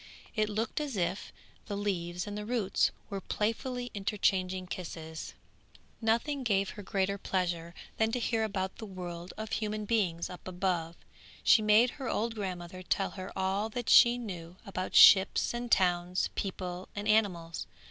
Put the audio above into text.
It looked as if the leaves and the roots were playfully interchanging kisses. Nothing gave her greater pleasure than to hear about the world of human beings up above; she made her old grandmother tell her all that she knew about ships and towns, people and animals.